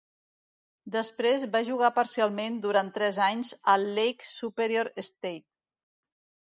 Després va jugar parcialment durant tres anys al Lake Superior State.